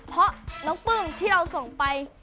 เพราะน้องปลื้มที่เราส่งไป